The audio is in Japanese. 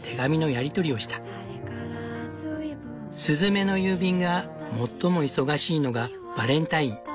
スズメの郵便が最も忙しいのがバレンタイン。